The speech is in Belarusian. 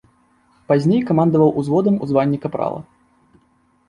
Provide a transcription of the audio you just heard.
Пазней камандаваў узводам у званні капрала.